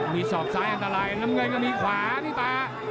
มีสอบซ้ายอันตรายและมันก็มีขวามีตา